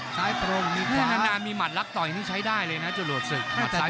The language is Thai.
ซ้ายตรงมีมัดลักต่อยที่ใช้ได้เลยนะจุโรดศึก